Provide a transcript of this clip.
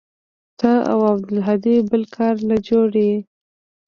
ته او عبدالهادي بل کار له جوړ يې.